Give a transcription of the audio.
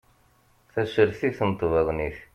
Tasertit n tbaḍnit